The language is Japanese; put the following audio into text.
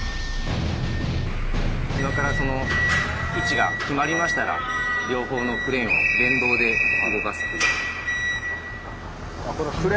今からその位置が決まりましたら両方のクレーンを連動で動かすっていう。